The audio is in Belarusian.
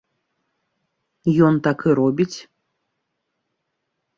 Ён так і робіць.